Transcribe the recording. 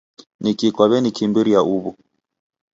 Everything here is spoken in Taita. Niki kwaw'ekimbiria uw'u?